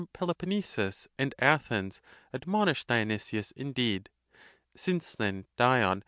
Peloponnesus and Athens, admonished Dionysius indeed.' Since then (Dion)?